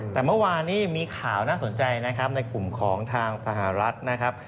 แต่เมื่อวานนี้มีข่าวน่าสนใจนะครับในกลุ่มของทางสหรัฐนะครับ